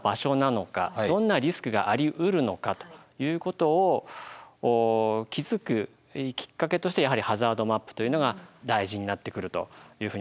どんなリスクがありうるのかということを気付くきっかけとしてやはりハザードマップというのが大事になってくるというふうに思います。